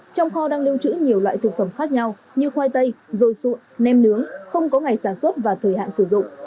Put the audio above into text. trong kho đang lưu trữ nhiều loại thực phẩm khác nhau như khoai tây rồi sụn nem nướng không có ngày sản xuất và thời hạn sử dụng